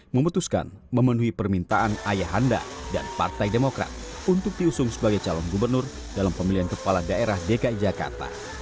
memutuskan memenuhi permintaan ayahanda dan partai demokrat untuk diusung sebagai calon gubernur dalam pemilihan kepala daerah dki jakarta